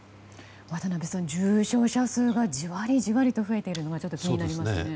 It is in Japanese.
渡辺さん、重症者数がじわりじわりと増えているのが気になりますね。